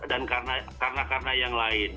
dan karena karena yang lain